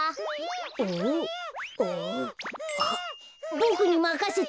ボクにまかせて。